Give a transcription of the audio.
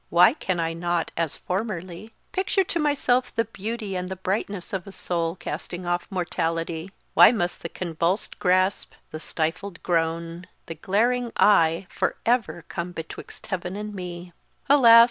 Why can I not, as formerly, picture to myself the beauty and the brightness of a soul casting off mortality? Why must the convulsed grasp, the stifled groan, the glaring eye, for ever come betwixt heaven and me?" Alas!